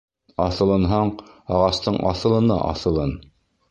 Аҫылынһаң, ағастың аҫылына аҫылын.